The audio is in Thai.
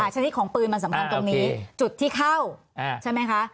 ชนิดของปืนมันสำคัญตรงนี้จุดที่เข้าใช่ไหมคะ